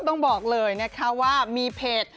ต้องบอกเลยนะคะว่ามีเพจ